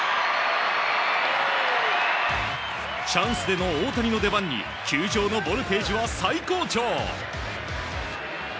チャンスでの大谷の出番に球場のボルテージは最高潮。